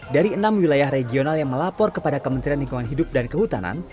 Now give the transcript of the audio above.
dari enam wilayah regional yang melapor kepada kementerian lingkungan hidup dan kehutanan